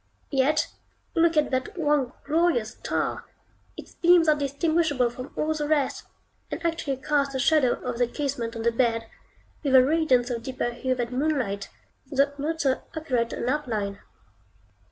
Yet look at that one glorious star! Its beams are distinguishable from all the rest, and actually cast the shadow of the casement on the bed, with a radiance of deeper hue than moonlight, though not so accurate an outline.